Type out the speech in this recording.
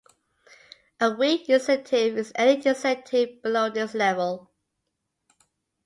A weak incentive is any incentive below this level.